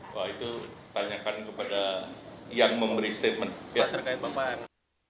wah itu tanyakan kepada yang memberi statement